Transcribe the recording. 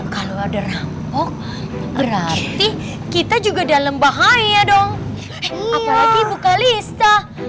kalau ada rampok berarti kita juga dalam bahaya dong apalagi buka lisa